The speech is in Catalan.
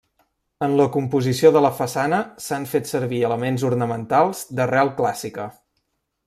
En la composició de la façana s'han fet servir elements ornamentals d'arrel clàssica.